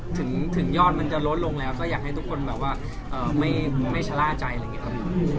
ถึงยอดมันจะลดลงแล้วก็อยากให้ทุกคนแบบว่าไม่ชะล่าใจอะไรอย่างนี้ครับ